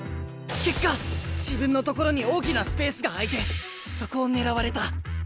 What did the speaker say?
結果自分の所に大きなスペースが空いてそこを狙われた。